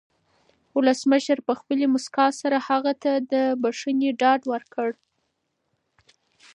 ولسمشر په خپلې مسکا سره هغه ته د بښنې ډاډ ورکړ.